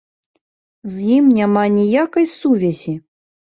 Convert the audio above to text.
З ім няма ніякай сувязі.